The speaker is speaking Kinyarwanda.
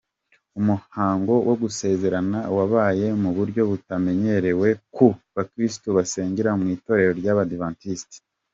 Umuhango wo gusezerana wabaye mu buryo butamenyerewe ku bakirisitu basengera mu Itorero ry’Abadiventisiti.